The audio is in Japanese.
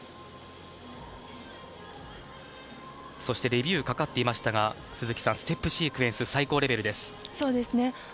そしてレビューがかかっていましたが鈴木さん、ステップシークエンス最高レベルです。